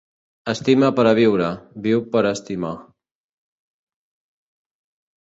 Estima per a viure, viu per a estimar.